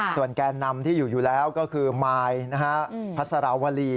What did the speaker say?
ส่วนแกนนำที่อยู่แล้วก็คือมายพัศราวรี